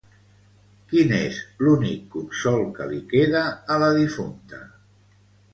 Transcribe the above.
Quin és l'únic consol que li queda a la difunta?